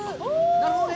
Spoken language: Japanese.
なるほどね。